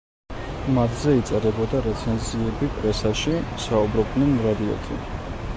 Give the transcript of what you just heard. მათზე იწერებოდა რეცენზიები პრესაში, საუბრობდნენ რადიოთი.